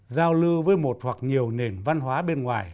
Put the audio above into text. giao lưu với một hoặc nhiều nền văn hóa bến đông